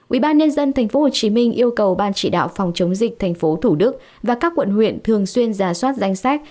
ubnd tp hcm yêu cầu ban chỉ đạo phòng chống dịch tp thủ đức và các quận huyện thường xuyên giả soát danh sách